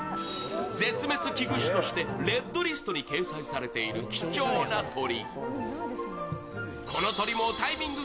絶滅危惧種としてレッドリストに掲載されている貴重な鳥。